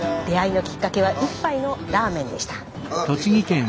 出会いのきっかけは一杯のラーメンでした。